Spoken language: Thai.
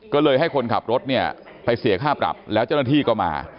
ก็เลยให้คนขับรถเนี่ยไปเสียค่าปรับแล้วเจ้าหน้าที่ก็มา